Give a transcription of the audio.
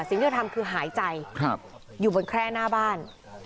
สิ่งที่เธอทำคือหายใจอยู่บนแคร่หน้าบ้าน